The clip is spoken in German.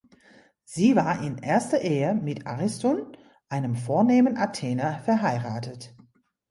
Sie war in erster Ehe mit Ariston, einem vornehmen Athener, verheiratet.